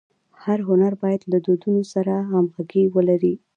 هر هنر باید له دودونو سره همږغي ولري.